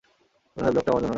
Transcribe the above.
মনে হয়, ব্লকটা আমার জন্য না।